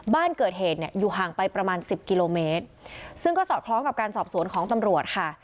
บ้านเกิดเหตุเนี่ยอยู่ห่างไปประมาณสิบกิโลเมตรซึ่งก็สอดคล้องกับการสอบสวนของตำรวจค่ะ